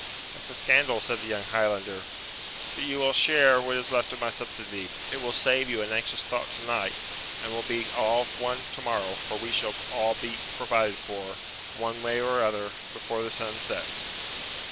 'That's a scandal,' said the young Highlander; 'but you will share what is left of my subsidy; it will save you an anxious thought tonight, and will be all one tomorrow, for we shall all be provided for, one way or other, before the sun sets.'